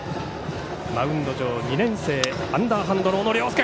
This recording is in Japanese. マウンド上、２年生アンダーハンドの小野涼介。